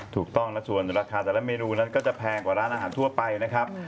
ถูกต้องนะส่วนราคาแต่ละเมนูนั้นก็จะแพงกว่าร้านอาหารทั่วไปนะครับ